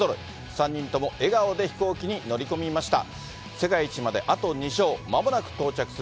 ３人とも笑顔で飛行機に乗り込みました。